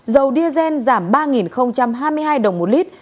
dầu diesel giảm ba hai mươi hai đồng một lít